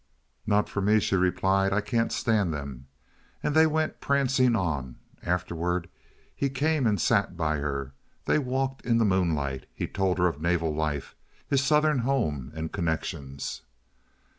"Not for me," she replied, "I can't stand them." And they went prancing on. Afterward he came and sat by her; they walked in the moonlight, he told her of naval life, his Southern home and connections.